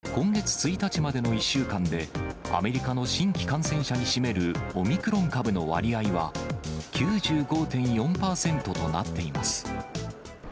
ＣＤＣの最新の推計では、今月１日までの１週間で、アメリカの新規感染者に占めるオミクロン株の割合は、９５．４％となっています。